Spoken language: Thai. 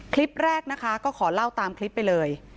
คลิปแรกนะคะก็ขอเล่าตามคลิปไปเลย